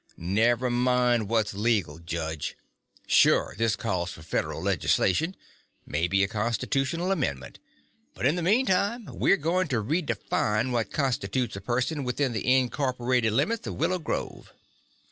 "Never mind what's legal, Judge. Sure, this calls for Federal legislation maybe a Constitutional amendment but in the meantime, we're going to redefine what constitutes a person within the incorporated limits of Willow Grove!"